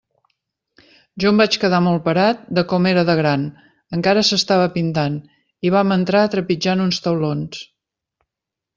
Jo vaig quedar molt parat de com era de gran; encara s'estava pintant, i vam entrar trepitjant uns taulons.